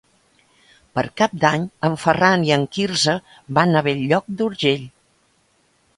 Per Cap d'Any en Ferran i en Quirze van a Bell-lloc d'Urgell.